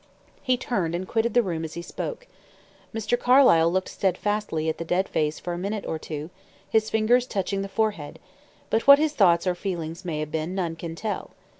He turned and quitted the room as he spoke. Mr. Carlyle looked steadfastly at the dead face for a minute or two, his fingers touching the forehead; but what his thoughts or feelings may have been, none can tell.